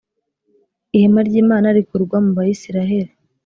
ihema ry’Imana rikurwa mu ba yisiraheli